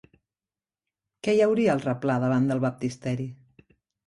Què hi hauria al replà davant del baptisteri?